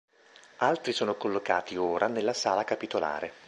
Altri sono collocati, ora, nella sala capitolare.